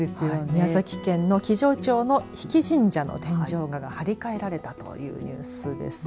宮崎県の木城町の比木神社の天井画が張り替えられたというニュースです。